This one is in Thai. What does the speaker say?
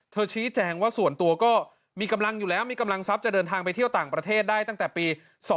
ชี้แจงว่าส่วนตัวก็มีกำลังอยู่แล้วมีกำลังทรัพย์จะเดินทางไปเที่ยวต่างประเทศได้ตั้งแต่ปี๒๕๖